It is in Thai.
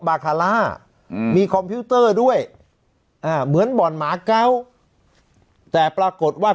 บาคาร่าอืมมีคอมพิวเตอร์ด้วยอ่าเหมือนบ่อนหมาเกาะแต่ปรากฏว่า